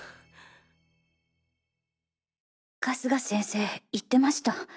春日先生言ってました。